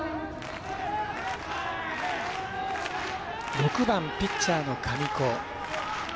６番ピッチャーの神子。